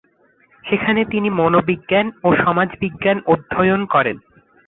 সেখানে তিনি মনোবিজ্ঞান এবং সমাজবিজ্ঞান অধ্যয়ন করেন।